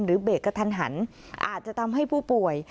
เบรกกระทันหันอาจจะทำให้ผู้ป่วย